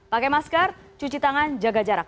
pakai masker cuci tangan jaga jarak